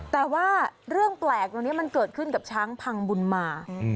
แต่ว่าเรื่องแปลกตรงนี้มันเกิดขึ้นกับช้างพังบุญมา